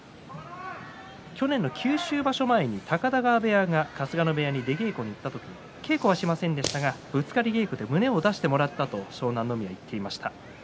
去年の九州場所前に高田川部屋が春日野部屋に出稽古に行った時に稽古はしませんでしたがぶつかり稽古で胸を出してもらったと湘南乃海が言っていました。